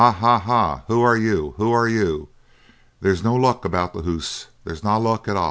Ha! Who are you? Who are you? There is no luck aboot the hoose, There is na luck at a'."